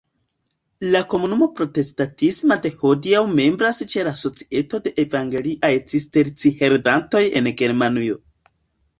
La komunumo protestatisma de hodiaŭ membras ĉe la Societo de evangeliaj cisterciheredantoj en Germanujo.